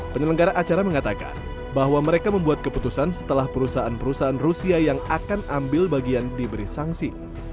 penyelenggara acara mengatakan bahwa mereka membuat keputusan setelah perusahaan perusahaan rusia yang akan ambil bagian diberi sanksi